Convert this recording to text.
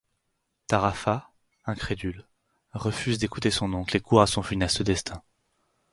Tarafa, incrédule, refuse d'écouter son oncle et court à son funeste destin.